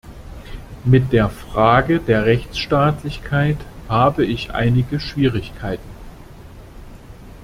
Mit der Frage der Rechtsstaatlichkeit habe ich einige Schwierigkeiten.